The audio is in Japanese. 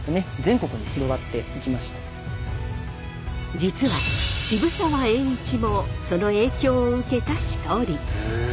実は渋沢栄一もその影響を受けた一人。